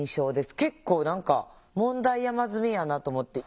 結構何か問題山積みやなと思って。